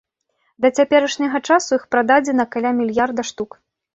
Да цяперашняга часу іх прададзена каля мільярда штук.